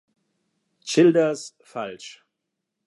Childers falsch.